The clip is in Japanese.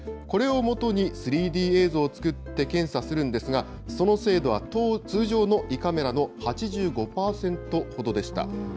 これをもとに３Ｄ映像を作って検査するんですが、その精度は通常の胃カメラの８５％ほどでした。